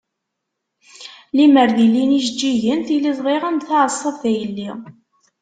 Limer di llin yijeǧǧigen tili ẓdiɣ-am-d taɛeṣṣabt a yelli.